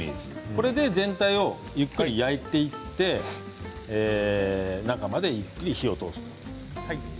これで全体をゆっくり焼いていって中まで火を通すと。